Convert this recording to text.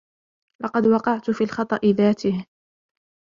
لقد وقعت في الخطأ ذاته.